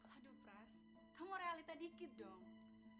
aduh pras kamu realita dikit dong